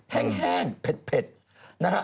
แห้งเผ็ดนะฮะ